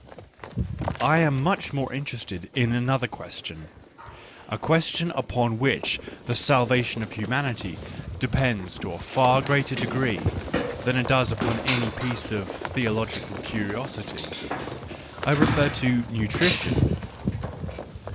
... I am much more interested in another question, — a question upon which the " salvation of humanity " depends to a far greater degree than it does upon any piece of theological curiosity : I refer to nutrition.